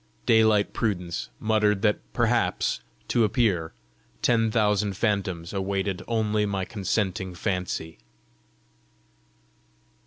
Daylight prudence muttered that perhaps, to appear, ten thousand phantoms awaited only my consenting fancy.